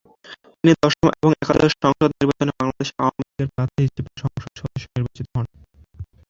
তিনি দশম এবং একাদশ সংসদ নির্বাচনে বাংলাদেশ আওয়ামী লীগ-এর প্রার্থী হিসেবে সংসদ সদস্য নির্বাচিত হন।